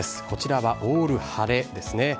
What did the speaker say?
こちらはオール晴れですね。